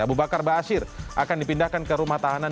abu bakar basir akan dipindahkan ke rumah tahanan